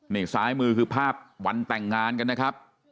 นี่ซ้ายมือคือภาพวันแต่งงานกันนะครับ